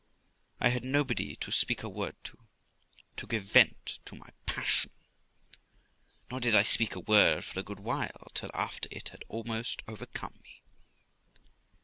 I had nobody to speak a word to, to give vent to my passion ; nor did I speak a word for a good while, till after it had almost overcome me.